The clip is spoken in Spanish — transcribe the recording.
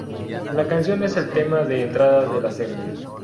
La canción es el tema de entrada de la serie.